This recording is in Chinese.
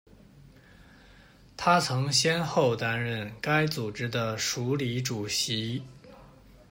她曾先后担任该组织的署理主席。